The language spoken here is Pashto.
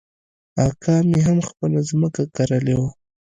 اکا مې هم خپله ځمکه کرلې وه.